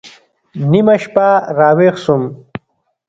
نيمه شپه راويښ سوم.